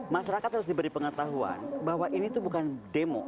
masyarakat harus diberi pengetahuan bahwa ini tuh bukan demo